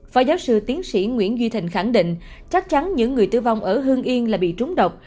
phó giáo sư tiến sĩ nguyễn duy thịnh khẳng định chắc chắn những người tử vong ở hương yên là bị trúng độc